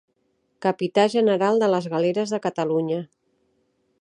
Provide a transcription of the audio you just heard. Capità general de les galeres de Catalunya.